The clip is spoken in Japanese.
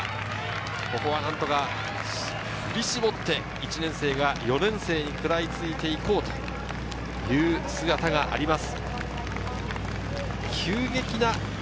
明治の加藤が前に出ましたが、ここは、なんとか振り絞って１年生が４年生に食らいついて行こうという姿があります。